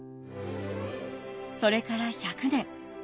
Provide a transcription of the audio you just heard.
それから１００年。